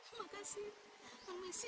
mungkin belum rejeki saya